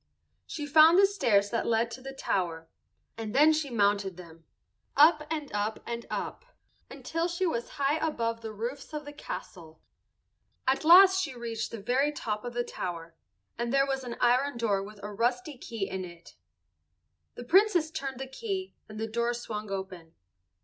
She found the stairs that led to the tower, and then she mounted them, up and up and up, until she was high above the roofs of the castle. At last she reached the very top of the tower, and there was an iron door with a rusty key in it. The Princess turned the key and the door swung open.